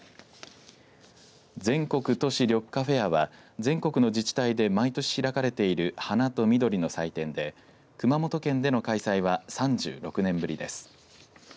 全国都市緑化フェアは全国の自治体で毎年開かれている花と緑の祭典で熊本県での開催は３６年ぶりです。